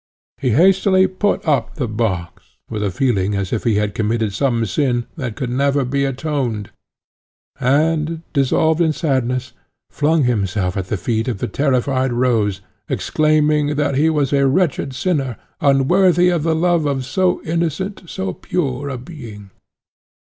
He hastily put up the box, with a feeling as if he had committed some sin that could never be atoned, and, dissolved in sadness, flung himself at the feet of the terrified Rose, exclaiming, that he was a wretched sinner, unworthy of the love of so innocent, so pure a being.